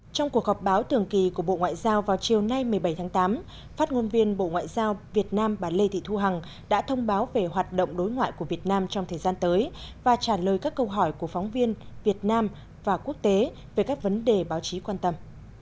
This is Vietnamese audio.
trong cuộc họp báo thường kỳ của bộ ngoại giao vào chiều nay một mươi bảy tháng tám phát ngôn viên bộ ngoại giao việt nam bà lê thị thu hằng đã thông báo về hoạt động đối ngoại của việt nam trong thời gian tới và trả lời các câu hỏi của phóng viên việt nam và quốc tế về các vấn đề báo chí quan tâm